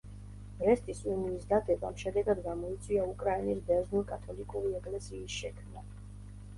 ბრესტის უნიის დადებამ შედეგად გამოიწვია უკრაინის ბერძნულ-კათოლიკური ეკლესიის შექმნა.